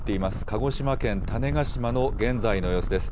鹿児島県種子島の現在の様子です。